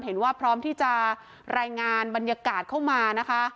เห็นว่าพร้อมที่จะรายงานบรรยากาศเข้ามานะคะ